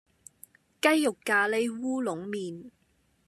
雞肉咖哩烏龍麵